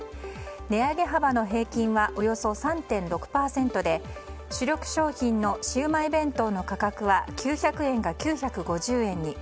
値上げ幅の平均はおよそ３．６％で主力食品のシウマイ弁当の価格は９００円が９５０円に。